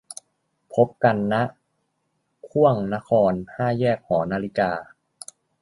พบกัน ณ ข่วงนคร ห้าแยกหอนาฬิกา